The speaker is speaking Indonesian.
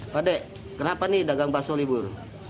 pak dek kenapa nih dagang bakso libur